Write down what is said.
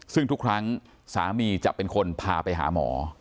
ซึ่งทุกครั้งสามีจะเป็นคนพาไปหาหมอ